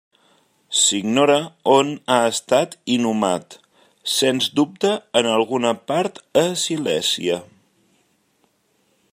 S'ignora on ha estat inhumat, sens dubte en alguna part a Silèsia.